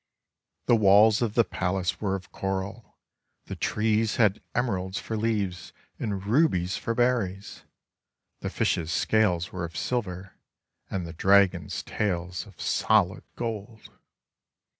The walls of the palace were of coral, the trees had emeralds for leaves and rubies for berries, the fishes' scales were of silver, and the dragons' tails of solid gold.